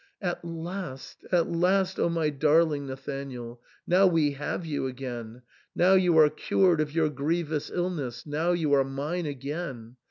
" At last, at last, O my darling Nathanael ; now we have you again ; now you are cured of your grievous illness, now you are mine again."